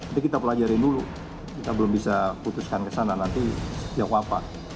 itu kita pelajari dulu kita belum bisa putuskan ke sana nanti jawab apa